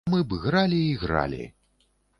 А мы б гралі і гралі.